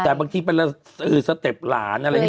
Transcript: แต่บางทีเป็นสเต็ปหลานอะไรอย่างนี้